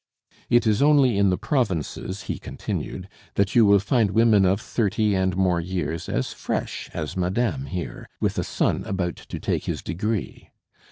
"It is only in the provinces," he continued, "that you will find women of thirty and more years as fresh as madame, here, with a son about to take his degree.